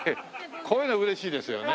こういうの嬉しいですよね。